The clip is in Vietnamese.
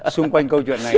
xung quanh câu chuyện này